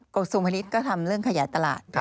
กฎสูงพนิษฐ์ก็ทำเรื่องขยายตลาด